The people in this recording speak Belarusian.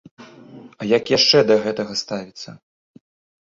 А як яшчэ да гэтага ставіцца?